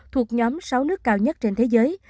thuộc nhóm sáu nước cao nhất trên thế giới